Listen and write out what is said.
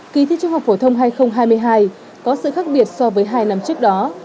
kỳ thi trung học phổ thông hai nghìn hai mươi hai có sự khác biệt so với hai năm trước đó